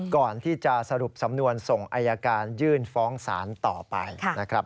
ก่อนที่จะสรุปสำนวนส่งอายการยื่นฟ้องศาลต่อไปนะครับ